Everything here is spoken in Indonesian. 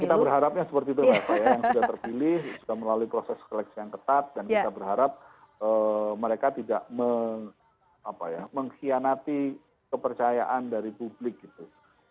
kita berharapnya seperti itu mbak eva ya yang sudah terpilih sudah melalui proses seleksi yang ketat dan kita berharap mereka tidak mengkhianati kepercayaan dari publik gitu